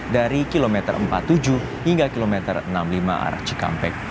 dari kilometer empat puluh tujuh hingga kilometer enam puluh lima arah cikampek